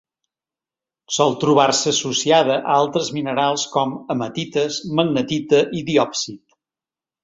Sol trobar-se associada a altres minerals com: hematites, magnetita i diòpsid.